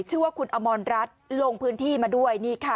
ชื่อว่าคุณอะมอนด์รัชลงพื้นที่มาด้วย